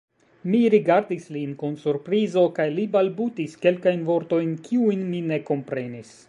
Mi rigardis lin kun surprizo kaj li balbutis kelkajn vortojn, kiujn mi ne komprenis.